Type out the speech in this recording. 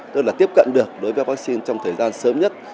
tức là tiếp cận được đối với vaccine trong thời gian sớm nhất